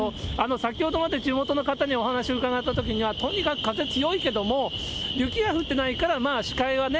先ほどまで地元の方にお話を伺ったときには、とにかく風強いけれども、雪が降ってないから、まあ視界はね、